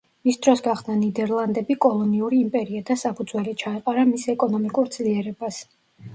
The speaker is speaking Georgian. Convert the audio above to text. მის დროს გახდა ნიდერლანდები კოლონიური იმპერია და საფუძველი ჩაეყარა მის ეკონომიკურ ძლიერებას.